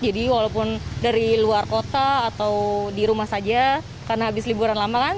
jadi walaupun dari luar kota atau di rumah saja karena habis liburan lama kan